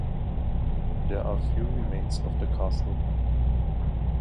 There are few remains of the castle.